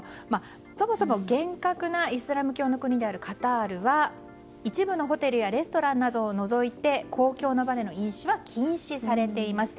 そもそも厳格なイスラム教の国であるカタールは一部のホテルやレストランなどを除いて公共の場での飲酒は禁止されています。